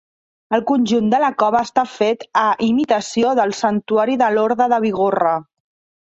El conjunt de la cova està fet a imitació del Santuari de Lorda de Bigorra.